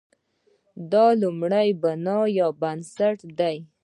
دا لومړی مبنا یا بنسټ دی.